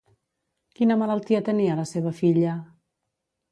Quina malaltia tenia la seva filla?